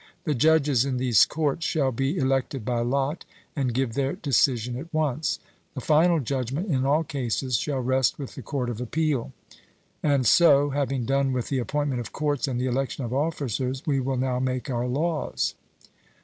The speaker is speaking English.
The judges in these courts shall be elected by lot and give their decision at once. The final judgment in all cases shall rest with the court of appeal. And so, having done with the appointment of courts and the election of officers, we will now make our laws.